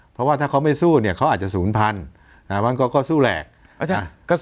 เพราะว่าถ้าเขาไม่สู้เนี่ยเขาอาจจะศูนย์พันธุ์มันก็สู้แหลก